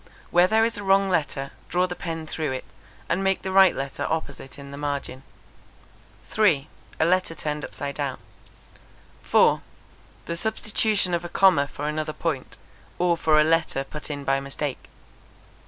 Where there is a wrong letter, draw the pen through it, and make the right letter opposite in the margin. 3. A letter turned upside down. 4. The substitution of a comma for another point, or for a letter put in by mistake.